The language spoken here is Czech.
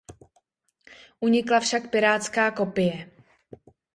Unikla však pirátská kopie.